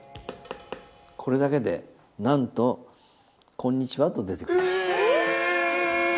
これだけでなんとこんにちはと出てくる。